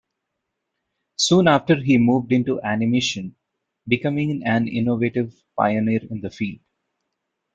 Soon after he moved into animation, becoming an innovative pioneer in the field.